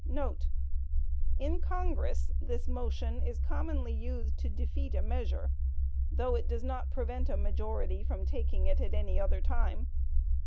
* [In Congress this motion is commonly used to defeat a measure, though it does not prevent a majority from taking it at any other time.